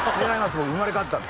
僕生まれ変わったんで。